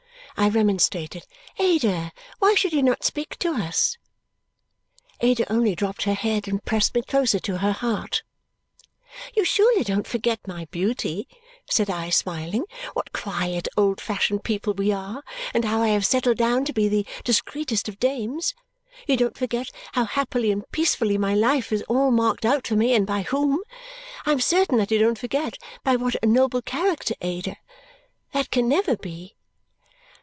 I remonstrated. "Ada, why should you not speak to us!" Ada only dropped her head and pressed me closer to her heart. "You surely don't forget, my beauty," said I, smiling, "what quiet, old fashioned people we are and how I have settled down to be the discreetest of dames? You don't forget how happily and peacefully my life is all marked out for me, and by whom? I am certain that you don't forget by what a noble character, Ada. That can never be."